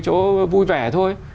chỗ vui vẻ thôi